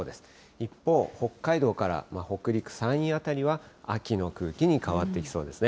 一方、北海道から北陸、山陰辺りは秋の空気に変わってきそうですね。